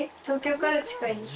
東京から近い？